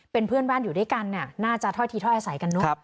เป็นเพื่อนบ้านอยู่ด้วยกันน่าจะถ้อยทีถ้อยอาศัยกันเนอะ